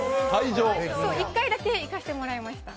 １回だけ行かせてもらいました。